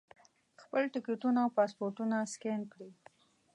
خپل ټکټونه او پاسپورټونه سکین کړي.